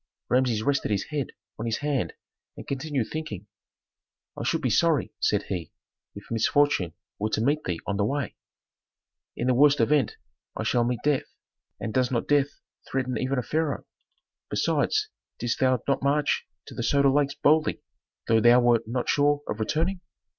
Rameses rested his head on his hand and continued thinking. "I should be sorry," said he, "if misfortune were to meet thee on the way." "In the worst event I shall meet death, and does not death threaten even a pharaoh. Besides, didst thou not march to the Soda Lakes boldly, though thou wert not sure of returning?